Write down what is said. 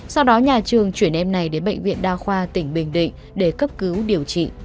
sau đó nhà trường chuyển em này đến bệnh viện đa khoa tỉnh bình định để cấp cứu điều trị